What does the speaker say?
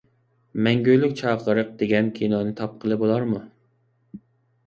«مەڭگۈلۈك چاقىرىق» دېگەن كىنونى تاپقىلى بولارمۇ؟